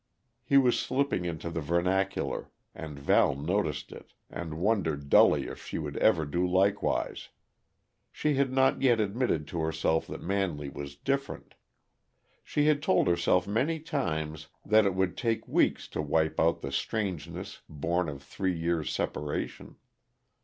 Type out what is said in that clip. He was slipping into the vernacular, and Val noticed it, and wondered dully if she would ever do likewise. She had not yet admitted to herself that Manley was different. She had told herself many times that it would take weeks to wipe out the strangeness born of three years' separation.